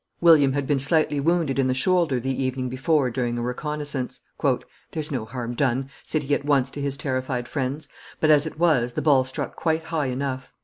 William had been slightly wounded in the shoulder the evening before during a reconnaissance. "There's no harm done," said he at once to his terrified friends, "but, as it was, the ball struck quite high enough."